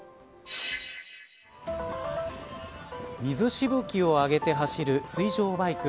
水しぶきを上げて走る水上バイク